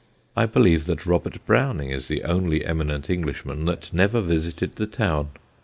I believe that Robert Browning is the only eminent Englishman that never visited the town.